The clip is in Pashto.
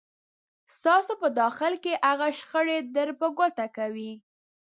ستاسو په داخل کې هغه شخړې در په ګوته کوي.